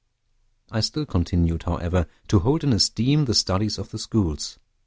I still continued, however, to hold in esteem the studies of the schools.